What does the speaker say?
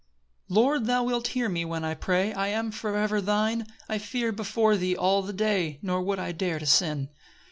1 Lord, thou wilt hear me when I pray I am for ever thine: I fear before thee all the day, Nor would I dare to sin.